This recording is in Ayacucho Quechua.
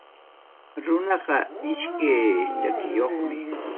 Runaqa iskay chakiyuqmi.